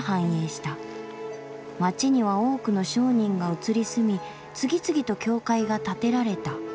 街には多くの商人が移り住み次々と教会が建てられた」。